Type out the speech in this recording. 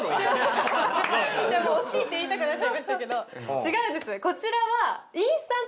惜しいって言いたくなっちゃいましたけど違うんです